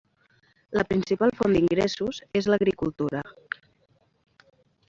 La principal font d'ingressos és l'agricultura.